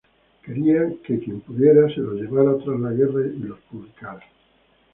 Quería que quien pudiera se los llevara tras la guerra y los publicara.